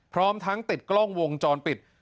พร้อมทั้งติดกล้องวงจรปิด